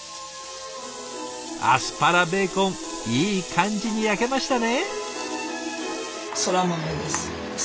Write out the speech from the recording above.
アスパラベーコンいい感じに焼けましたね！